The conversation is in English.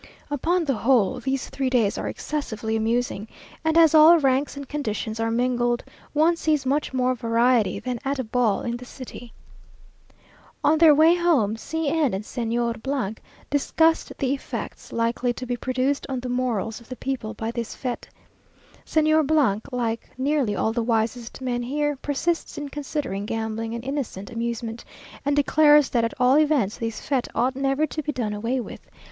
Upon the whole, these three days are excessively amusing, and as all ranks and conditions are mingled, one sees much more variety than at a ball in the city. On their way home, C n and Señor discussed the effects likely to be produced on the morals of the people by this fête. Señor , like nearly all the wisest men here, persists in considering gambling an innocent amusement, and declares, that at all events, this fête ought never to be done away with.